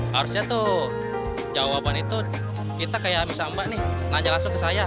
harusnya tuh jawaban itu kita kayak misalnya mbak nih nanya langsung ke saya